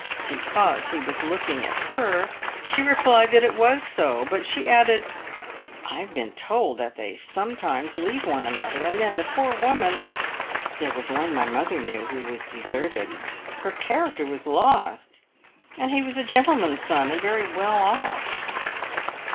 Because he was looking at her, she replied that it was so ; but she added, " I have been told they sometimes leave one another, and then the poor woman There was one my mother knew who was de serted — her character was lost — and he was a gentleman's son and very well off."